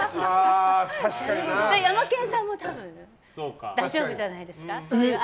ヤマケンさんも多分大丈夫じゃないですか。